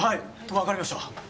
わかりました。